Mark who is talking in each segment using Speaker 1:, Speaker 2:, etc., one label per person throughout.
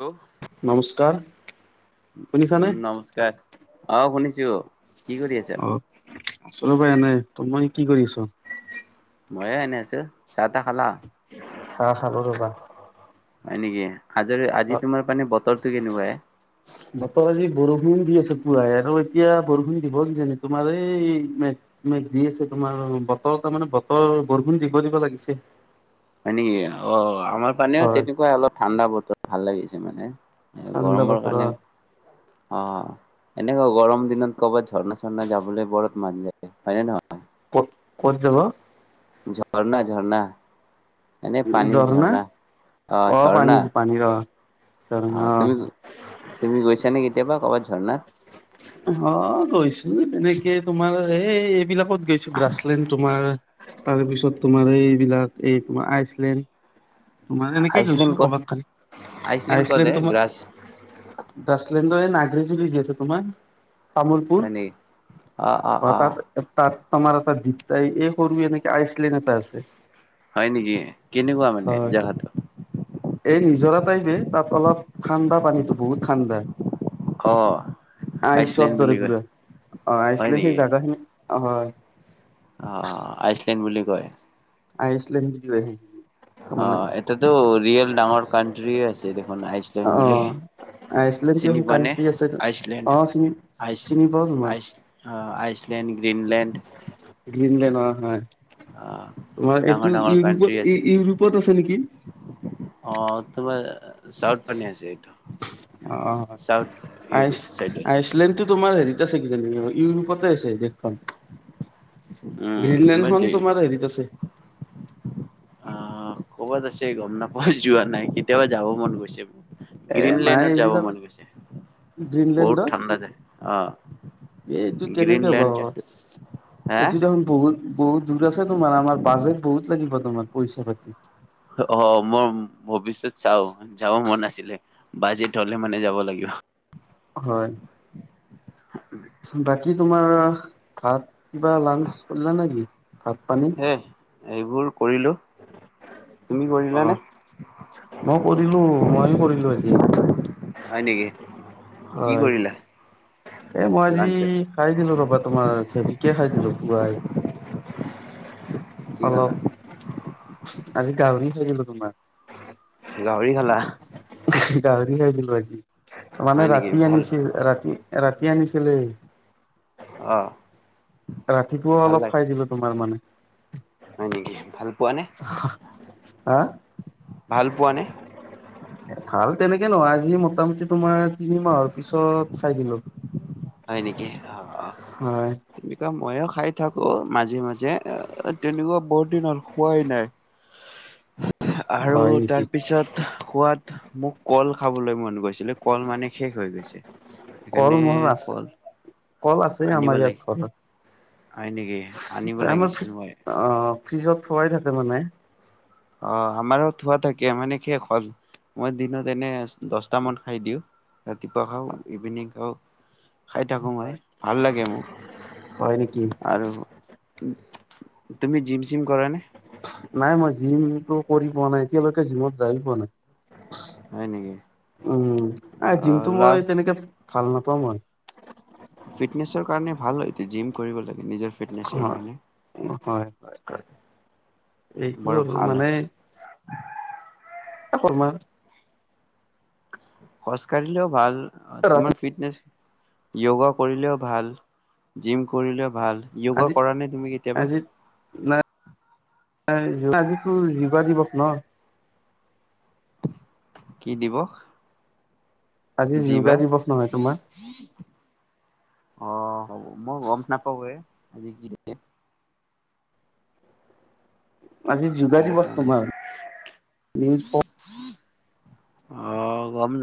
Speaker 1: ল
Speaker 2: নমস্কাৰ শুনিছানে?
Speaker 1: নমস্কাৰ আহ শুনিছো কি কৰি আছা
Speaker 2: আচ ৰব এনোই ত মই কি কৰি আছ
Speaker 1: ময়ে এনে আছো চাহ তাহ খালা
Speaker 2: চাহ খালো ৰবা
Speaker 1: হয় নেকি আজৰি আজি তোমাৰ মানে বতৰটো কেনেকুৱাই
Speaker 2: বতৰ আজি বৰষুণ দি আছে পুৱাই আৰু এতিয়া বৰষুণ দিব কি জানি তোমাৰ এই মেঘ মেঘী আছে তোমাৰ বতৰ তাৰ মানে বতৰ বৰষুণ দিব দিব লাগিছে
Speaker 1: হয় নেকি অঁ আমাৰ ফালে
Speaker 2: হয়
Speaker 1: তেনেকুৱা অলপ ঠাণ্ডা বতৰ ভাল লাগিছে মানে
Speaker 2: ঠাণ্ডা
Speaker 1: গৰমৰ কাৰণে
Speaker 2: বতৰত
Speaker 1: অঁ এনেকুৱা গৰম দিনত ক'ৰবাত ঝৰ্ণা ঝৰ্ণা যাবলৈ বত মান যায় হয় নে নহয়
Speaker 2: ক'ত ক'ত যাব
Speaker 1: ঝৰনা, ঝৰনা এনেে পানীৰ ঝৰ্ণা অঁ
Speaker 2: অ'
Speaker 1: ঝৰ্ণা
Speaker 2: পানীৰ পানীৰ অ'
Speaker 1: অঁ
Speaker 2: ঝৰ্ণা
Speaker 1: তুমি
Speaker 2: অ'
Speaker 1: তুমি গৈছা নে কেতিয়াবা ক'বাত ঝৰ্ণা
Speaker 2: অঁ গৈছো তেনেকে তোমাৰ এই এইবিলাকত গৈছো গ্ৰাছলেণ্ড তোমাৰ তাৰ পিছত তোমাৰ এইবিলাক এই তোমাৰ আইচলেণ্ড তোমাৰ এনেকে
Speaker 1: আইচলেণ্ড
Speaker 2: গৈছো
Speaker 1: ক'ত
Speaker 2: কৰবাত খালি
Speaker 1: ক'ত
Speaker 2: আইচলেণ্ড
Speaker 1: হে গ্ৰাছ
Speaker 2: তোমাৰলেণ্ড ন আছে তোমাৰ তামোলপুৰ
Speaker 1: হয় নেকি? অ অ অ
Speaker 2: তাত তাত তোমাৰ এটা দিগটাই এই সৰু এনেকে আইচলেণ্ড এটা আছে
Speaker 1: হয় নেকি কেনেকুৱা মানে
Speaker 2: হয়
Speaker 1: জেগাতটো
Speaker 2: এই নিজৰা টাইপে তাত অলপ ঠাণ্ডা পানীতটো বহুত ঠাণ্ডা।
Speaker 1: অ আইচলেণ্ড
Speaker 2: আইচত
Speaker 1: বুলি
Speaker 2: দৰে
Speaker 1: কয়
Speaker 2: পুৰা অঁ
Speaker 1: হয়
Speaker 2: আইচলে সেই জাগাখিনি হয়।
Speaker 1: অঁ আইচলেণ্ড বুলি কয়।
Speaker 2: আইচলেণ্ড তাৰমানে
Speaker 1: অঁ এটাতো ৰিয়েল ডাঙৰ কানট্ৰি আছে দেখোন আইচলেণ্ড
Speaker 2: অ
Speaker 1: বুলি
Speaker 2: আইচলেণ্ডটো
Speaker 1: চিনি
Speaker 2: এখন
Speaker 1: পোৱা নে
Speaker 2: কানট্ৰি আছে অ
Speaker 1: আইচলেণ্ড
Speaker 2: চিনি
Speaker 1: আইচ
Speaker 2: চিনি পাও তোমাৰ
Speaker 1: ice ice Iceland, Greenland
Speaker 2: Greenland হয়
Speaker 1: আহ
Speaker 2: তোমাৰ
Speaker 1: ডাঙৰ
Speaker 2: এইটো
Speaker 1: ডাঙৰ কানট্ৰি
Speaker 2: ইউৰোপত ই
Speaker 1: আছে
Speaker 2: ইউৰোপত আছে নেকি
Speaker 1: অঁ তোমাৰ চাউথ ফালে আছে এইটো।
Speaker 2: অঁ
Speaker 1: চাউথ
Speaker 2: আইচ
Speaker 1: ইউৰোপ চাইড আছে
Speaker 2: আইচলেণ্ডটো তোমাৰ হেৰিত আ ইউৰোপত আছে দেশখন
Speaker 1: উম
Speaker 2: গ্ৰীণলেণ্ডখন
Speaker 1: বাট
Speaker 2: তোমাৰ হেৰিত আছে
Speaker 1: অঁ ক'বাত আছে গম নাপ যোৱা নাই কেতিয়াবা যাব মন গৈছে
Speaker 2: এ নাই
Speaker 1: গ্ৰীণলেণ্ডত যাব
Speaker 2: এইবিলাক
Speaker 1: মন গৈছে বহুত ঠাণ্ডা যায় অ'
Speaker 2: গ্ৰীণলেণ্ডত এই এইটো কেনেকে হ'বা
Speaker 1: গ্ৰীণলেণ্ড
Speaker 2: বাৰু
Speaker 1: হা
Speaker 2: এইটো দেখোন বহুত বহুত দূৰ আছে তোমাৰ আমাৰ বাজে বহুত লাগিব তোমাৰ পইচা পাতি
Speaker 1: অ মই ভৱিষয়ত চাও, যাব মন আছিলে। বাজেট হলে মানে যাব লাগিব।
Speaker 2: হয়।
Speaker 1: উ [inaudible]
Speaker 2: বাকী তোমাৰ ভাত! কিবা লাঞ্চ কৰিলো নেকি ভাত পানী?
Speaker 1: হে এইবোৰ কৰিলো তুমি কৰিলানে?
Speaker 2: অ মই কৰিলো, মইয়ো কৰিলো আজি।
Speaker 1: হয় নেকি কি
Speaker 2: হয়
Speaker 1: কৰিলা
Speaker 2: এ মই আজি
Speaker 1: লাঞ্চত
Speaker 2: খাই দিলো ৰবা তোমাৰ খে কি খাই দিলো পুৱাই।
Speaker 1: কি খালা?
Speaker 2: অলপ আজি গাহৰি খাই দিলো তোমাৰ।
Speaker 1: গাহৰি খালা!
Speaker 2: গাহৰি খাই দিলো আজি। মানে
Speaker 1: হয় নেকি
Speaker 2: ৰাতি
Speaker 1: ভাল
Speaker 2: আনিছিল। ৰাতি ৰাতি আনিছিলে।
Speaker 1: অহ'
Speaker 2: ৰাতিপুৱা অলপ খাই দিলো তোমাৰ মানে।
Speaker 1: হয় নেকি, ভাল পোৱা নে?
Speaker 2: হা
Speaker 1: ভাল পোৱা নে?
Speaker 2: ভাল তেনেকে নহয়, আজি মোটামুটি তোমাৰ তিনি মাহৰ পিছত খাই দিলো।
Speaker 1: হয় নেকি? অ', অ'
Speaker 2: হয়
Speaker 1: তেনেকুৱা ময়ো খাই থাকো মাজে মাজে, তেনেকুৱা বহুত দিন হ'ল খোৱাই নাই। আৰু
Speaker 2: হয় নেকি
Speaker 1: তাৰ পিছত খোৱাত মোক কল খাবলৈ মন গৈছিলে কল মানে শেষ হৈ গৈছে
Speaker 2: কল
Speaker 1: সেইকাৰণে
Speaker 2: মল আছে।
Speaker 1: কল
Speaker 2: কল আছে
Speaker 1: আনিব
Speaker 2: আমাৰ ইয়াত।
Speaker 1: লাগে
Speaker 2: ঘৰত,
Speaker 1: হয় নেকি আনিব
Speaker 2: আমাৰ [unintelligible]
Speaker 1: লাগিছিল মই।
Speaker 2: অ' ফ্ৰিজত থোৱাই থাকে মানে।
Speaker 1: অ', আমাৰো থোৱা থাকে মানে শেষ হ'ল। মই দিনত এনে দশটামান খাই দিওঁ, ৰাতিপুৱা খাওঁ, ইভিনিং খাওঁ। খাই থাকো মই ভাল লাগে
Speaker 2: হয় নেকি
Speaker 1: মোক। আৰু তুমি জিম চিম কৰা নে?
Speaker 2: [unintelligible] নাই মই জিমটো কৰি পোৱা নাই এতিয়ালৈকে জিমত যায়ে পোৱা নাই।
Speaker 1: হয় নেকি
Speaker 2: উম এ
Speaker 1: অ
Speaker 2: জিমটো মই
Speaker 1: লাষ্ট
Speaker 2: তেনেকে ভাল নাপাওঁ মই।
Speaker 1: ফিটনেছৰ কাৰণে ভাল হয় এতিয়া জিম কৰিব লাগে নিজৰ--। ফিটনেছৰ
Speaker 2: অ',
Speaker 1: কাৰণে
Speaker 2: হয়, হয়, এইটো
Speaker 1: বৰ
Speaker 2: আৰু
Speaker 1: ভাল হয়।
Speaker 2: মানে--। [unintelligible]
Speaker 1: খোজকাঢ়িলেও ভাল। অ'
Speaker 2: ৰাতি
Speaker 1: তোমাৰ ফিটনেছ--। য়োগা কৰিলেও ভাল, জিম কৰিলেও ভাল। য়োগা
Speaker 2: আজি
Speaker 1: কৰা নে তুমি কেতিয়াবা?
Speaker 2: আজিতো যোগা দিৱস ন'!
Speaker 1: কি দিৱস?
Speaker 2: আজি যোগা
Speaker 1: জিবা
Speaker 2: দিৱস নহয় তোমাৰ।
Speaker 1: অ। হাব মই গম নাপাব এ । আজ কি।
Speaker 2: আজি যোগাৰ দিৱস
Speaker 1: সেইকাৰণে
Speaker 2: তোমাৰ নিজ।
Speaker 1: অ গম ন।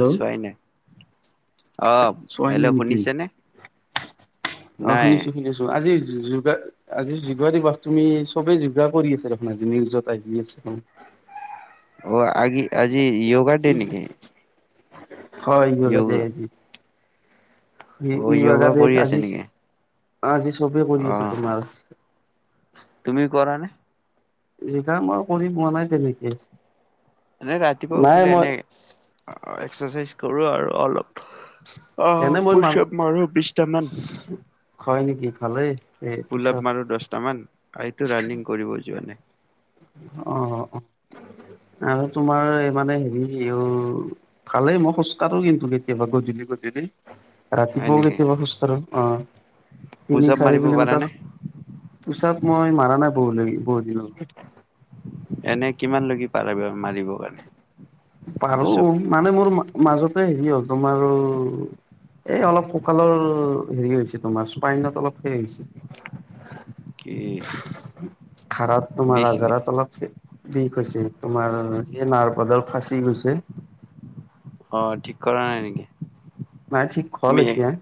Speaker 1: অ চোৱা নাই। অ
Speaker 2: চোৱাই নাই
Speaker 1: হেল্ল'
Speaker 2: নেকি
Speaker 1: শুনিছেনে!
Speaker 2: অ
Speaker 1: নাই
Speaker 2: শুনিছো শুনিছো আজি। য়োগা। আজি যোগ দিৱস। তুমি চবেই যোগাৰ কৰি আছা দেখোন আজি নিউজত আহি আছ।
Speaker 1: অ আজি আজি যোগা ডে নেকি!
Speaker 2: হয় [unintelligible] হয় ই য়োগা দে আজি।
Speaker 1: অ
Speaker 2: ই বাগা
Speaker 1: য়োগা
Speaker 2: দেখ
Speaker 1: কৰি আছে
Speaker 2: আজি।
Speaker 1: নেকি?
Speaker 2: আজি চবেই
Speaker 1: অ
Speaker 2: কৰি আছে তোমাৰ।
Speaker 1: তুমি কৰা নে?
Speaker 2: যি কাম মই। কৰি পোৱা নাই তেনেকে।
Speaker 1: এনে ৰাতিপুৱা
Speaker 2: নাই
Speaker 1: উঠিলে
Speaker 2: মই
Speaker 1: এনেই। এক্সাৰচাইজ কৰোঁ আৰু অলপ। অহ
Speaker 2: এনে মই মান
Speaker 1: পুছাপ মাৰো বিশটামান
Speaker 2: হয় নেকি ভালেই এই পিছত
Speaker 1: পোলাপ মাৰো দশটামান আৰু এইটো ৰাণিং কৰিব যোৱা নাই
Speaker 2: অ অ আৰু তোমাৰ এই মানে হেৰি অ ভালেই মই খোজ কাঢ়ো কিন্তু কেতিয়াবা গধূলি গধূলি
Speaker 1: হয়
Speaker 2: ৰাতিপুৱাও
Speaker 1: নেকি
Speaker 2: কেতিয়াবা খোজকাঢ়ো অ তিনি
Speaker 1: পুচাপ
Speaker 2: চাৰি
Speaker 1: মাৰিব পাৰা
Speaker 2: কিলোমিটাৰ
Speaker 1: নে
Speaker 2: পোচাক মই মাৰা নাই বলি বহুত দিনলৈকে
Speaker 1: এনেকে কিমান লাকি পাৰে বাৰ মাৰিবৰ কাৰণে
Speaker 2: পালো
Speaker 1: পুচাপ
Speaker 2: মানে মোৰ মা মাজতে হেৰি হ'ল তোমাৰো এই অলপ ককালৰ হেৰি হৈছে তোমাৰ স্পাইনত অলপ হেই হৈছে
Speaker 1: কি
Speaker 2: খাৰাত তোমাৰ
Speaker 1: বিষ নি
Speaker 2: আজাৰত অলপ সে বিষ হৈছে তোমাৰ এই নাৰ্ভ এডাল ফা তি গৈছে
Speaker 1: অ ঠিক কৰা নাই নেকি ।
Speaker 2: নাই ঠিক হল এতিয়া ।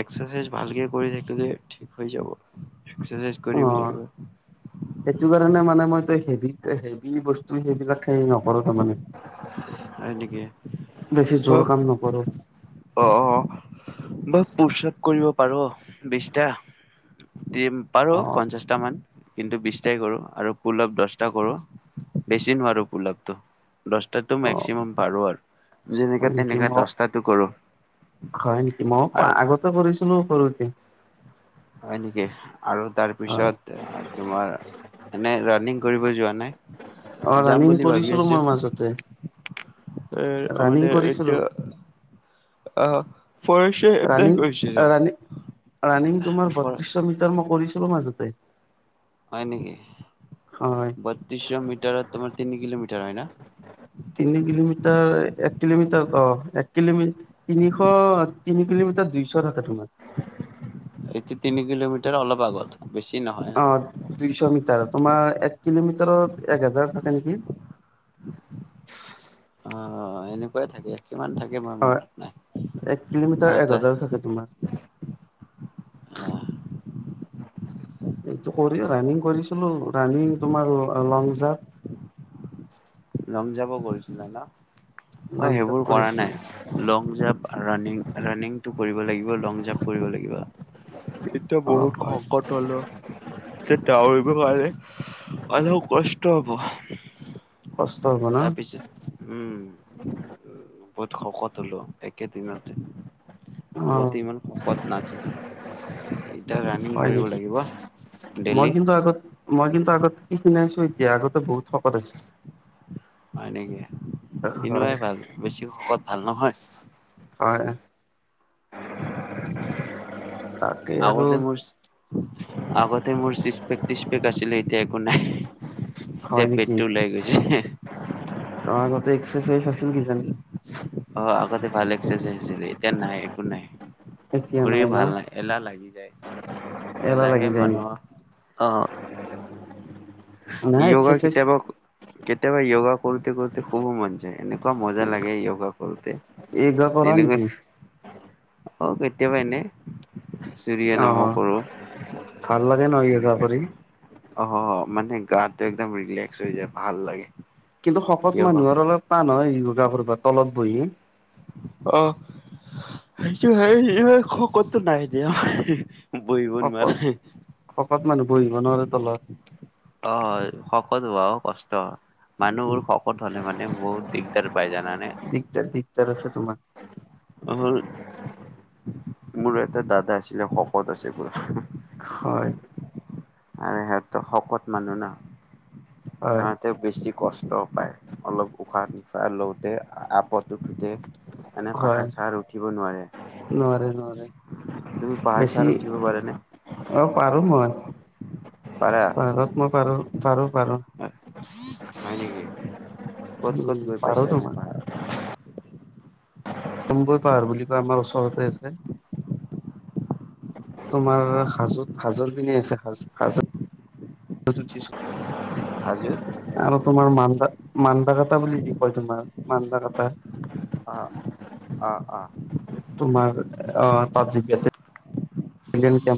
Speaker 1: এক্সাৰচাইজ ভালকে কৰি থাকিলে ঠিক হৈ যাব ।
Speaker 2: অ সেইটো কাৰণে মানে মই হেভি হেভি বস্তু সেইবিলাক খাই হেই নকৰো তাৰমানে ।
Speaker 1: হয় নেকি ব
Speaker 2: জোৰ কাম নকৰো
Speaker 1: অ অ ব পুশআপ কৰিব পাৰো বিছটা দিম পাৰো
Speaker 2: অ
Speaker 1: পঞ্চাছটামান । কিন্তু বিশটাই কৰো আৰু পোলআপ দশটা কৰো বেছি নোৱাৰো পোলআপটো । দশটাটো
Speaker 2: অ
Speaker 1: মেক্সিমাম পাৰো আৰু যেনেকা
Speaker 2: হয় নেকি
Speaker 1: তেনেকা
Speaker 2: মই
Speaker 1: দশটাটো কৰো ।
Speaker 2: হয় নেকি মই পা আগতে কৰিছিলো সৰুতে
Speaker 1: হয় নেকি । আৰু তাৰ
Speaker 2: হয়
Speaker 1: পিছত তোমাৰ এনে ৰানিং কৰিব যোৱা নাই ।
Speaker 2: অ ৰানিং কৰিছিলো মই মাজতে
Speaker 1: এ অ
Speaker 2: ৰানিং
Speaker 1: মানে
Speaker 2: কৰিছিলো
Speaker 1: এতিয়া অ
Speaker 2: ৰাণিং ৰাণিং ৰাণিং তোমাৰ বত্ৰিশ মিটাৰ মই কৰিছি লো মাজতে
Speaker 1: হয় নেকি
Speaker 2: হয়
Speaker 1: বত্ৰিশ মিটাৰট তোমাৰ তিনি কিলোমিটাৰ হয় ন
Speaker 2: তিনি কিলোমিটাৰ এক কিলোমিটাৰ অ এক কিলোমিটাৰ তিনিশ তিনি কিলোমিটাৰ দুইশ থাকে তোমাৰ ।
Speaker 1: এতিয়া তিনি কিলোমিটাৰ অলপ আগত বেছি ।
Speaker 2: অ দুইশ মিটাৰ । তোমাৰ এক কিলোমিটাৰত এক হেজাৰ থাকে নেকি ।
Speaker 1: অ এনেকুৱাই থাকে ।
Speaker 2: অ এক কিলোমিটাৰ এক হাজাৰ থাকে তোমাৰ
Speaker 1: আহ ।
Speaker 2: এইটো কৰি ৰাণিং কৰিছিলো ৰাণিং তোমাৰ লং জাম্প
Speaker 1: লংজাম্প কৰিছিলা ন মই
Speaker 2: লং জাপ
Speaker 1: সেইবোৰ কৰা
Speaker 2: কৰিছিলো
Speaker 1: নাই লং জাম্প ৰাণিং ৰাণিং টো । কৰিব লাগিব লং জাম্প কৰিব লাগিব । এতিয়া
Speaker 2: অ
Speaker 1: বহুত
Speaker 2: হয়
Speaker 1: শকত হলো যে ডউৰিব নোৱাৰি অলপ কষ্ট হব ।
Speaker 2: কষ্ট হ'ব ন
Speaker 1: তাৰপিছত উম উ ত শকত হলো একেদিনতে
Speaker 2: অ
Speaker 1: আগতে ইমান শকত নাছ- ছিলোঁ এই
Speaker 2: হয় নেকি মই
Speaker 1: ডেইলি
Speaker 2: কিন্তু আগত মই কিন্তু আগত খিনাইছো এতিয়া আগতে বহুত শকত আছিলো
Speaker 1: হয় নেকি খিনোৱাই
Speaker 2: হয়
Speaker 1: ভাল বেছি শকত ভাল নহয়
Speaker 2: হয় তাকে আৰু
Speaker 1: আগতে মোৰ আগতে মোৰ চিচ- টিছ পেক আছিল এতিয়া একো নাই
Speaker 2: হয়
Speaker 1: এতিয়া
Speaker 2: নেকি
Speaker 1: পেটো ওলাই গৈছে
Speaker 2: এ এক্সাৰচাইজ আছিল কি জানি
Speaker 1: অ আগতে ভাল এক্সাৰচাইজ আছিলে এতিয়া নাই একো নাই।
Speaker 2: এতিয়া
Speaker 1: কৰি
Speaker 2: ন
Speaker 1: ভাল নাই এলাহ লাগি যায়
Speaker 2: এলাহ
Speaker 1: এলাহে
Speaker 2: লাগি যায় নেকি
Speaker 1: মানুহৰ অ
Speaker 2: নাই
Speaker 1: ইওগা
Speaker 2: এক্সাৰচাইজ
Speaker 1: কেতিয়াবা কেতিয়াবা য়োগা কৰোতে কৰোতে শুব মন যায় এনেকুৱা মজা লাগে য়োগা কৰোতে
Speaker 2: এই বিলাক কৰা
Speaker 1: তেনেকৈ
Speaker 2: নেকি
Speaker 1: অ কেতিয়াবা এনে সূৰ্য
Speaker 2: অ
Speaker 1: নম কৰো
Speaker 2: ভাল লাগে ন য়োগা
Speaker 1: এনেকুৱা
Speaker 2: কৰি
Speaker 1: এনেকুৱা অ মানে গাটো একদম ৰিলেক্স হৈ যায় ভাল লাগে
Speaker 2: কিন্তু শকত
Speaker 1: য়োগা
Speaker 2: মানুহৰ অলপ টান হয় য়ো- গা কৰিব তলত বহি
Speaker 1: অ [unintelligible] শকত তো নাই দিয়া
Speaker 2: শকত শকত মানুহে বহিব নোৱাৰে তলত।
Speaker 1: অ শকত হোৱাও কষ্ট। মানুহবোৰ শকত হলে মানে বহুত দিগদাৰ পায় জানানে।
Speaker 2: দিগদাৰ দিগদাৰ আছে তোমাৰ
Speaker 1: মোৰ এটা দাদা আছিলে শকত আছে বৰ।
Speaker 2: হয়
Speaker 1: আৰু সিহঁতৰ শকত মানুহ ন
Speaker 2: হয়
Speaker 1: সিহতে বেছি কষ্টও পায়। অলপ উশাহ নিশাহ লওঁতে আপত উঠোতে। এনে
Speaker 2: হয়
Speaker 1: পাহাৰ চাহাৰ উঠিব নোৱাৰে।
Speaker 2: নোৱাৰে নোৱাৰে
Speaker 1: তুমি পাহাৰ
Speaker 2: বেছি
Speaker 1: চাহাৰ উঠিব পাৰা নে?
Speaker 2: পাৰত মই পাৰো। পাৰো।
Speaker 1: হয় নেকি? ক'ত ক'ত
Speaker 2: উম
Speaker 1: গৈ
Speaker 2: পাৰো
Speaker 1: পাইছা
Speaker 2: তো
Speaker 1: এনে
Speaker 2: মই
Speaker 1: পাহাৰত
Speaker 2: তুম্বৈ পাহাৰ বুলি কোৱা আমাৰ ওচৰতে আছে । তোমাৰ
Speaker 1: অ
Speaker 2: হাজোত হাজোৰ পিনে আছে সাজো তিছ
Speaker 1: হাজোত
Speaker 2: [unintelligible] আৰু তোমাৰ মা মা মান্দা কাতা বুলি যি কয় তোমাৰ মান্দা কাতা।
Speaker 1: আহ অ অ।
Speaker 2: তোমাৰ অ তাত জি [unintelligible] তোম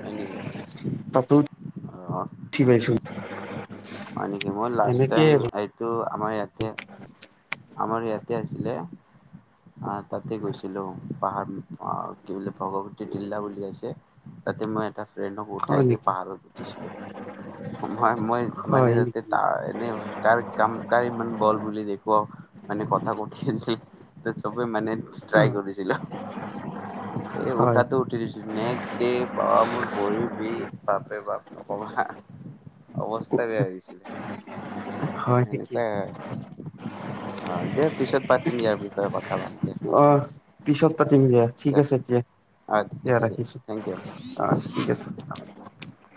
Speaker 1: হয় নেকি
Speaker 2: তাতো [unintelligible]
Speaker 1: অ
Speaker 2: বেছো
Speaker 1: হয় নেকি মোৰ লাষ্ট টাইম এইটো, আমাৰ ইয়াত, তে আমাৰ ইয়াতে আছিলে। আহ তাতে গৈছিলো। পাহাৰ আহ কি বুলি ভগৱতী তিল্লা বুলি আছে, তাতে মই এটা ট্ৰেইনক উঠাই
Speaker 2: হয়
Speaker 1: গে
Speaker 2: নেকি
Speaker 1: পাহাৰত উঠিছিলো। হম হয় মই মানে
Speaker 2: হয়
Speaker 1: যতে
Speaker 2: নেকি
Speaker 1: ত এনে কাৰ কাম কাৰ ইমান বল বুলি দেখুৱাও, মানে কথা কঠি আছিলে ত চবে মানে ষ্ট্ৰাই
Speaker 2: হয়
Speaker 1: কৰিছিলো। এই উঠাটো উঠি দিছে, নে এই বা মোৰ ভৰিৰ বিষ, বাপ ৰে বাপ নকবা অৱস্থা
Speaker 2: হয়
Speaker 1: তাকে
Speaker 2: হয় নেকি
Speaker 1: এনেকোয়াই আৰু [unintelligible] অ দে পিছত পাতিম ইয়াৰ বিষয়ে কথা ভাল কৰে
Speaker 2: অ পিছত পাতিম দিয়া ঠিক আছে দিয়া
Speaker 1: অ দিয়া দিয়া থেংক ইউ
Speaker 2: অ ঠিক আছে
Speaker 1: [unintelligible]